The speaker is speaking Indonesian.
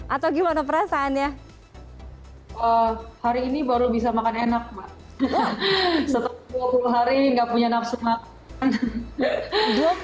atau gimana perasaannya hari ini baru bisa makan enak mbak setelah dua puluh hari nggak punya nafsu makan